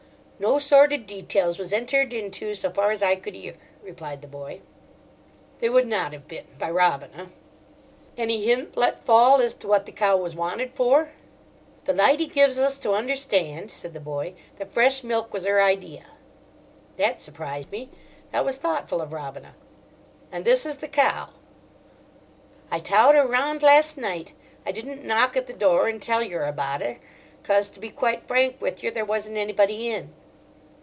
"No sordid details was entered into, so far as I could 'ear," replied the boy. They would not have been—by Robina. "Any hint let fall as to what the cow was wanted for?" "The lydy gives us to understand," said the boy, "that fresh milk was 'er idea." That surprised me: that was thoughtful of Robina. "And this is the cow?" "I towed her rahnd last night. I didn't knock at the door and tell yer abaht 'er, cos, to be quite frank with yer, there wasn't anybody in."